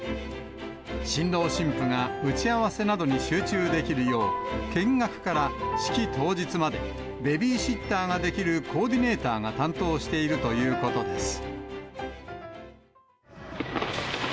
新郎新婦が打ち合わせなどに集中できるよう、見学から式当日まで、ベビーシッターができるコーディネーターが担当しているということです。